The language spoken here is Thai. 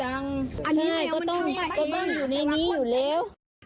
เราก็ต้องอยู่นี้อยู่แล้ว